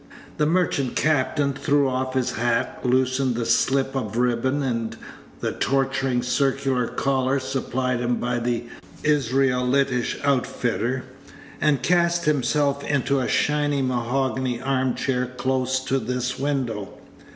The merchant captain threw off his hat, loosened the slip of ribbon and the torturing circular collar supplied him by the Israelitish outfitter, and cast himself into a shining mahogany arm chair close to this window.